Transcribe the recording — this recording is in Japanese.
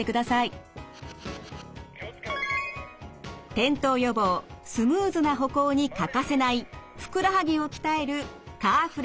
転倒予防スムーズな歩行に欠かせないふくらはぎを鍛えるカーフレイズ。